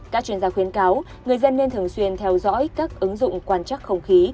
các chuyên gia khuyến cáo người dân nên thường xuyên theo dõi các ứng dụng quan trắc không khí